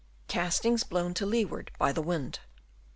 Castings blown to leeward by the wind.